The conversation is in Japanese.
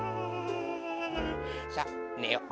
さあねよう。